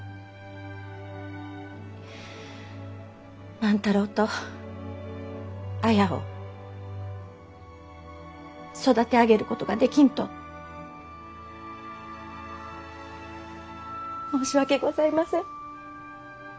万太郎と綾を育て上げることができんと申し訳ございません。